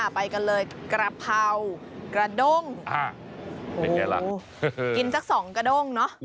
ไปกันเลยกระเพรากระโดงกินสักสองกระโดงเนอะ